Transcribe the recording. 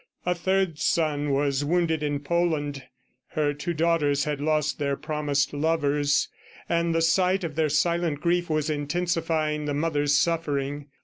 A third son was wounded in Poland. Her two daughters had lost their promised lovers, and the sight of their silent grief, was intensifying the mother's suffering.